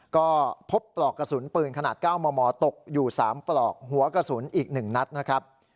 ก็พบปลอกกระสุนปืนขนาด๙มมตกอยู่๓ปลอกหัวกระสุนอีก๑นัดนะครับ